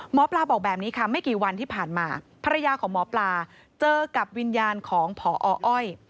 หมอปลาบอกแบบนี้ค่ะไม่กี่วันที่ผ่านมาภรรยาของหมอปลาเจอกับวิญญาณของพออ้อย